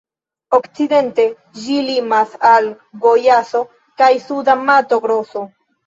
Okcidente ĝi limas al Gojaso kaj Suda Mato-Groso.